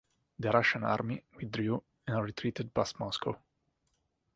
The Russian army withdrew and retreated past Moscow.